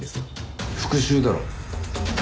復讐だろ。